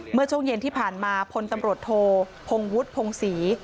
เมื่อช่วงเย็นที่ผ่านมาพลตำรวจโทพงวุฒิพงศรี